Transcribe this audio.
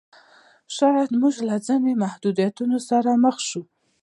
شاید موږ له ځینو محدودیتونو سره مخ شو.